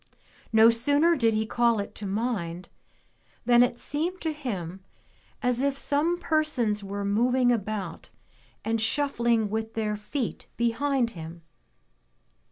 No sooner did he call it to mind than it seemed to him as if some persons were moving about and shuffling with their feet 202 { THE TREASURE CHEST behind him.